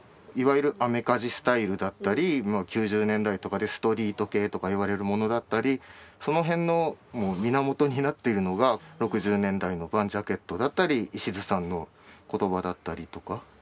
いわゆるアメカジスタイルだったり９０年代とかですとストリート系とかいわれるものだったりその辺の源になっているのが６０年代のＶＡＮヂャケットだったり石津さんの言葉だったりとか。